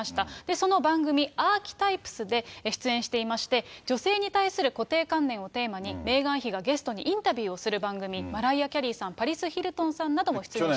その番組、アーキタイプスで出演していまして、女性に対する固定観念をテーマに、メーガン妃がゲストにインタビューをする番組、マライア・キャリーさん、パリス・ヒルトンさんなども出演しています。